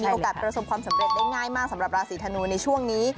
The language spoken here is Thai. โอกาสประสบความสำเร็จได้ง่ายมากสำหรับราศีธนูในช่วงนี้